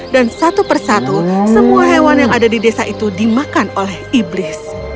dan satu persatu semua hewan yang ada di desa itu dimakan oleh iblis